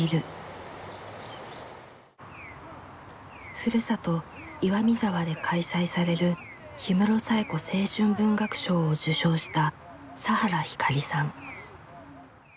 ふるさと岩見沢で開催される氷室冴子青春文学賞を受賞した佐原ひかりさん。